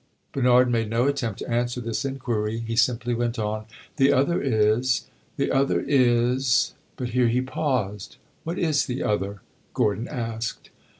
Bernard made no attempt to answer this inquiry; he simply went on "The other is the other is " But here he paused. "What is the other?" Gordon asked.